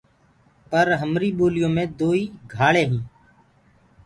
پر همري ٻوليو مي دوئي گھآݪينٚ هينٚ۔